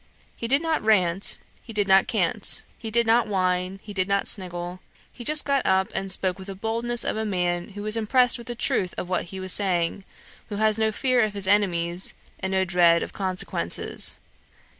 He did not rant; he did not cant; he did not whine; he did not sniggle; he just got up and spoke with the boldness of a man who was impressed with the truth of what he was saying, who has no fear of his enemies, and no dread of consequences.